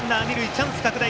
チャンス拡大。